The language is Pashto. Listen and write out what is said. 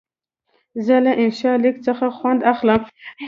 زه له انشا لیک څخه خوند اخلم.